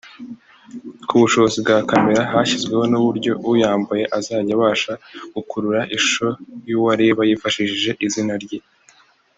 Ku bushobozi bwa kamera hashyizweho n’uburyo uyambaye azajya abasha gukurura ishusho y’uwo areba yifashishije izina rye